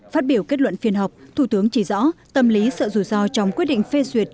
phát biểu kết luận phiên họp thủ tướng chỉ rõ tâm lý sợ rủi ro trong quyết định phê duyệt